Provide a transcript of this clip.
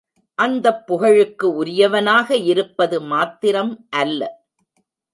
அந்தப் புகழுக்கு உரியவனாக இருப்பது மாத்திரம் அல்ல.